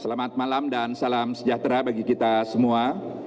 selamat malam dan salam sejahtera bagi kita semua